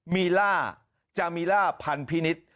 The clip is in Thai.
มีล่าจามีล่าพันธินิษฐ์